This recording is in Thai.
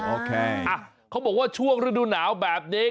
โอเคเขาบอกว่าช่วงฤดูหนาวแบบนี้